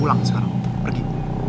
pulang sekarang pergi